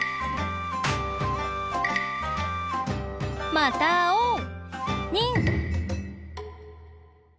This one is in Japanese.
またあおう！にん！